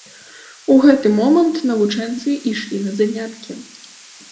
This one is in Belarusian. У гэты момант навучэнцы ішлі на заняткі.